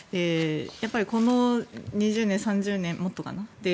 この２０年、３０年もっとかな